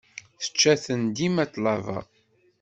Tečča-ten dima ṭṭlaba.